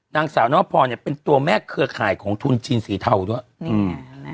นางสาวนวพรเนี้ยเป็นตัวแม่เครือข่ายของทุนจีนสีเทาด้วยอืม